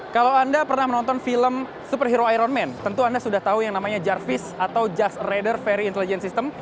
kalau anda pernah menonton film superhero iron man tentu anda sudah tahu yang namanya jarvice atau just radar very intelligence system